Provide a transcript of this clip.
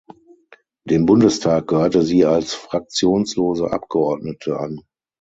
Dem Bundestag gehörte sie als fraktionslose Abgeordnete an.